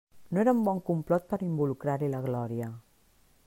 No era un bon complot per involucrar-hi la Glòria!